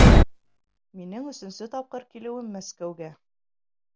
Минең өсөнсө тапҡыр килеүем Мәскәүгә.